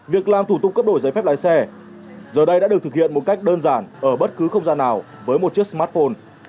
việc làm thủ tục cấp đổi giấy phép lái xe giờ đây đã được thực hiện một cách đơn giản ở bất cứ không gian nào với một chiếc smartphone